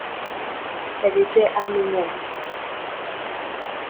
Elle était arménienne.